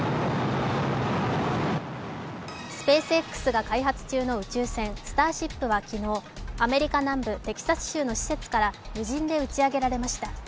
スペースＸが開発中の宇宙船「スターシップ」はアメリカ南部テキサス州の施設から無人で打ち上げられました。